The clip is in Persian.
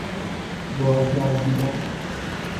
بار گردیدن